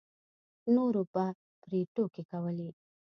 نورو به پرې ټوکې کولې.